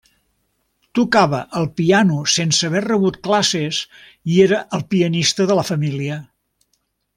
Tocava el piano sense haver rebut classes i era el pianista de la família.